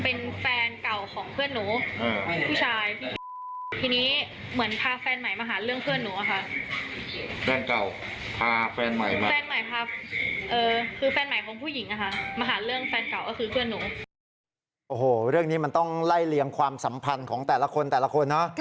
โอ้โหเรื่องนี้มันต้องไล่เลี่ยงความสัมพันธ์ของแต่ละคนแต่ละคนนะ